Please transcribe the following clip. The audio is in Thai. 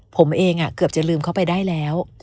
ผมเองเกือบจะลืมเขาไปได้แล้ว